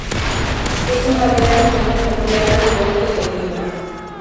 Es una aldea pequeña con playa y bosques de pinos.